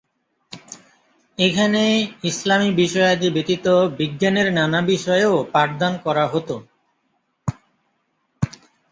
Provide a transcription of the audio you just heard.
এখানে ইসলামী বিষয়াদি ব্যতীত বিজ্ঞানের নানা বিষয়েও পাঠদান করা হতো।